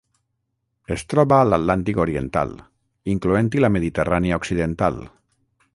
Es troba a l'Atlàntic oriental, incloent-hi la Mediterrània occidental.